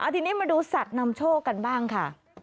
ทีนี้มาดูสัตว์นำโชคกันบ้างค่ะ